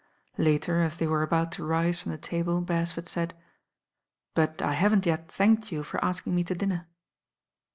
Later, as they were about to rise from the table Beresford said: "But I haven't yet thanked you for asking me to dinner."